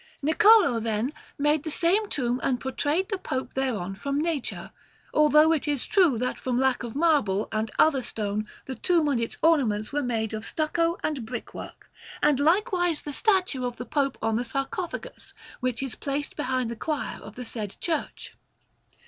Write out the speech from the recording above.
Niccolò, then, made the said tomb and portrayed that Pope thereon from nature; although it is true that from lack of marble and other stone the tomb and its ornaments were made of stucco and brick work, and likewise the statue of the Pope on the sarcophagus, which is placed behind the choir of the said church.